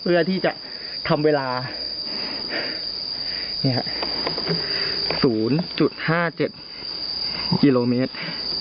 เพื่อที่จะทำเวลานี่ค่ะศูนย์จุดห้าเจ็ดอีโลเมตร